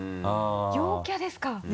陽キャですか？